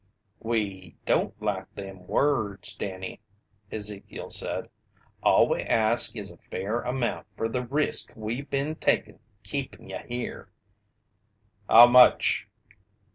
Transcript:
"We don't like them words, Danny," Ezekiel said. "All we ask is a fair amount fer the risk we been takin' keepin' ye here." "How much?"